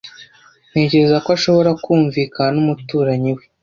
Ntekereza ko ashobora kumvikana n'umuturanyi we.